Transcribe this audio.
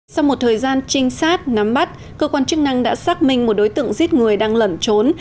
sau một thời gian trinh sát nắm bắt cơ quan chức năng đã xác minh một đối tượng giết người đang lẩn trốn